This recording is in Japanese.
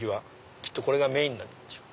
きっとこれがメインなんでしょう。